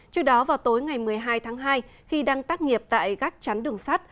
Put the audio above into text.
trước đó vào tối ngày một mươi hai tháng hai khi đang tác nghiệp tại gác chắn đường sắt